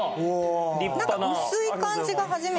なんか薄い感じが初めて出ましたね。